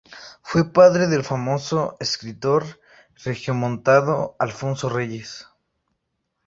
Fue padre del famoso escritor regiomontano Alfonso Reyes.